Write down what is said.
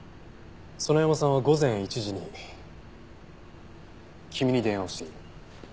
園山さんは午前１時に君に電話をしている。